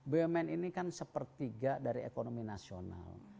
bumn ini kan sepertiga dari ekonomi nasional